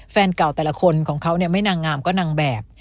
แฟนเก่าแต่ละคนของเขาไม่นางงามก็นางแบบ